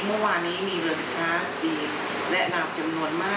เมื่อวานนี้มีเรือสิทธิ์ค้าฟรีและหนาบจำนวนมาก